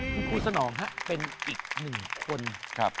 คุณครูสนองฮะเป็นอีกหนึ่งคนครับ